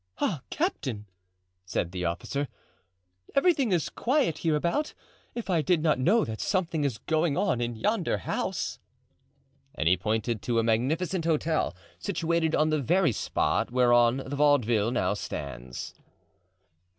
"Ah, captain!" said the officer, "everything is quiet hereabout—if I did not know that something is going on in yonder house!" And he pointed to a magnificent hotel situated on the very spot whereon the Vaudeville now stands.